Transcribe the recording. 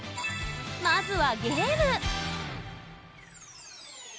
まずはゲーム！